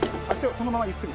このままゆっくり。